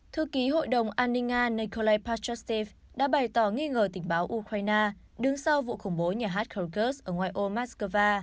thư ký hội đồng an ninh nga nikolai pachostev đã bày tỏ nghi ngờ tình báo ukraine đứng sau vụ khủng bố nhà hát kyrgyz ở ngoài ô moskova